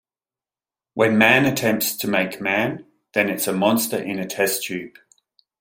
When man attempts to make man then it's a monster in a test tube.